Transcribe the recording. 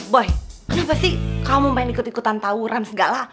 boy kenapa sih kamu main ikut ikutan tawuran segala